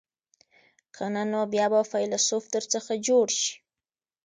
که نه نو بیا به فیلسوف در څخه جوړ شي.